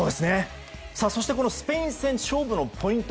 そして、スペイン戦勝負のポイント